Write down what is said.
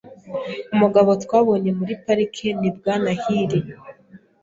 Umugabo twabonye muri parike ni Bwana Hill .